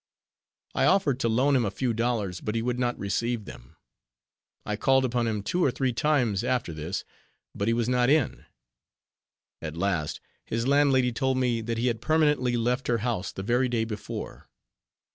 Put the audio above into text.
I offered to loan him a few dollars, but he would not receive them. I called upon him two or three times after this, but he was not in; at last, his landlady told me that he had permanently left her house the very day before.